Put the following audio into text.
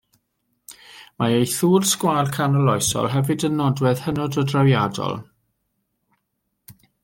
Mae ei thŵr sgwâr canoloesol hefyd yn nodwedd hynod o drawiadol.